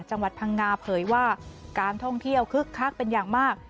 จังหวัดพังงาเผยว่าการท่องเที่ยวคึกคักเป็นอย่างมาก